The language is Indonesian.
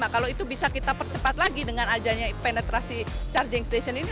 kalau itu bisa kita percepat lagi dengan adanya penetrasi charging station ini